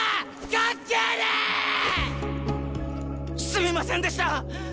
すみませんでした！